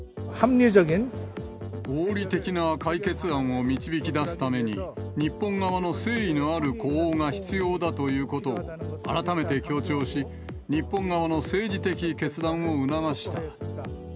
合理的な解決案を導き出すために、日本側の誠意のある呼応が必要だということを改めて強調し、日本側の政治的決断を促した。